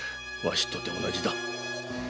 わしとて同じだ。